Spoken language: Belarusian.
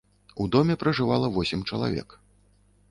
У доме пражывала восем чалавек.